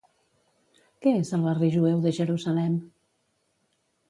Què és el Barri Jueu de Jerusalem?